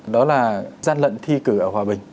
đó là gian luận thi cử ở hòa bình